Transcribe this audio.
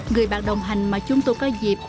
người bạn đồng hành mà chúng tôi có dịp